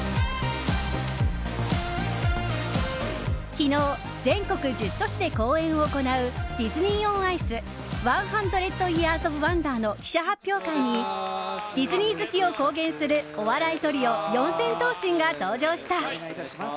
昨日全国１０都市で公演を行う「ディズニー・オン・アイス１００ＹｅａｒｓｏｆＷｏｎｄｅｒ」の記者発表会にディズニー好きを公言するお笑いトリオ四千頭身が登場した。